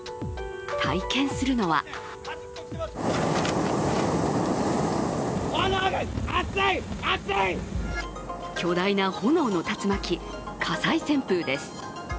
体験するのは巨大な炎の竜巻、火災旋風です。